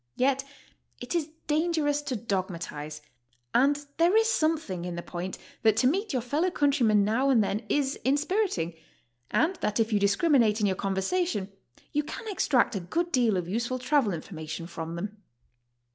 Yet It is dangerous to dogmatize, and there is something in the point that to meet your fellow countrymen now and then is inspiriting, and that if you discriminate in your conversation, you can extract a good deal of useful travel information from them.